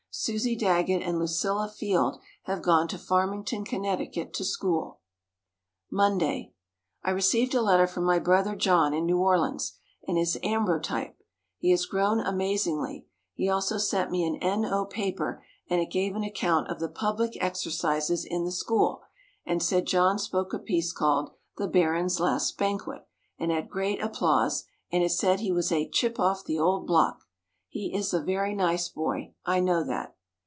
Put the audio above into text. Susie Daggett and Lucilla Field have gone to Farmington, Conn., to school. Monday. I received a letter from my brother John in New Orleans, and his ambrotype. He has grown amazingly. He also sent me a N. O. paper and it gave an account of the public exercises in the school, and said John spoke a piece called "The Baron's Last Banquet," and had great applause and it said he was "a chip off the old block." He is a very nice boy, I know that.